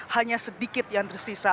hanya sedikit yang tersisa